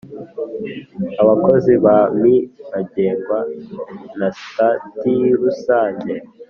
abakozi ba mmi bagengwa na sitati rusange